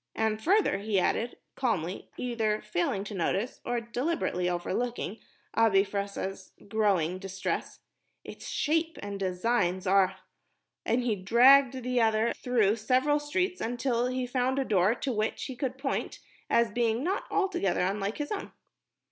"And further," he added, calmly, either failing to notice, or deliberately overlooking Abi Fressah's growing distress, "its shape and design are...!" and he dragged the other through several streets until he found a door to which he could point as being not altogether unlike his own.